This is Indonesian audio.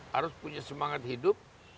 harus punya semangat hidup